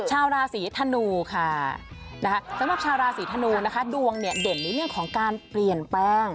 ชาวราศีธนูค่ะสำหรับชาวราศีธนูนะคะดวงเนี่ยเด่นในเรื่องของการเปลี่ยนแปลง